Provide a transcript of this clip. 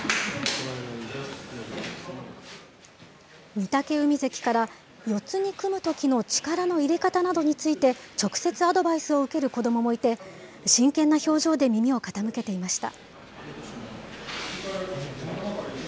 御嶽海関から、四つに組むときの力の入れ方などについて、直接アドバイスを受ける子どももいて、真剣な表情で耳を傾けていました。